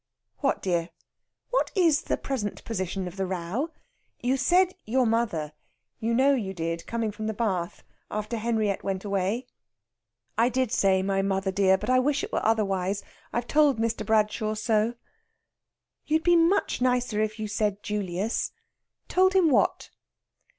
"What, dear?" "What is the present position of the row? You said your mother. You know you did coming from the bath after Henriette went away." "I did say my mother, dear. But I wish it were otherwise. I've told Mr. Bradshaw so." "You'd be much nicer if you said Julius. Told him what?"